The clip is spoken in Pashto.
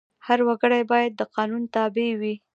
هر وګړی باید د قانون تابع وي.